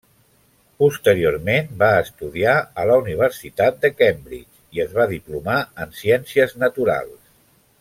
Posteriorment, va estudiar a la Universitat de Cambridge i es va diplomar en ciències naturals.